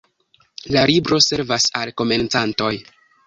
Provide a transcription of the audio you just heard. La libro servas al komencantoj.